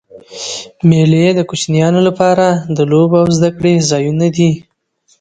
مېلې د کوچنيانو له پاره د لوبو او زدهکړي ځایونه دي.